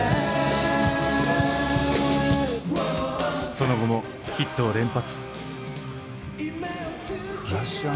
その後もヒットを連発。